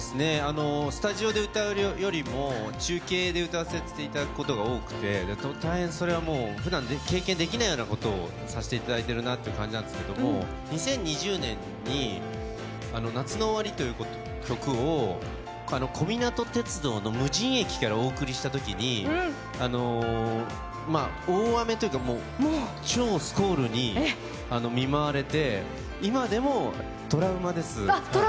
スタジオで歌うよりも中継で歌わせてもらうことが多くて、大変それはもう普段経験できないようなことをさせていただいているなという感じなんですけど２０２０年に「夏の終わり」という曲を小湊鉄道の無人駅からお送りしたときに大雨というか超スコールに見舞われて、今でもトラウマです。